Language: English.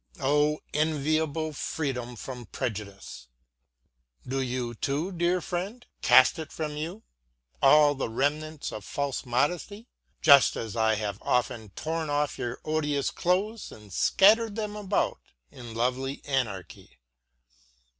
Oh, enviable freedom from prejudice! Do you, too, dear friend, cast it from you, all the remnants of false modesty; just as I have often torn off your odious clothes and scattered them about in lovely anarchy.